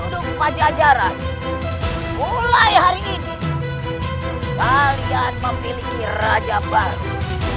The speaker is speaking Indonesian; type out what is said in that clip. untuk pajajaran mulai hari ini kalian memiliki raja baru